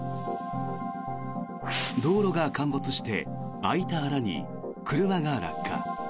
道路が陥没して開いた穴に車が落下。